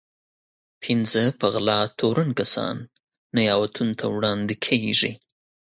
پنځه په غلا تورن کسان نياوتون ته وړاندې کېږي.